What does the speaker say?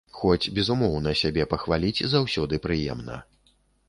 Хоць, безумоўна, сябе пахваліць заўсёды прыемна.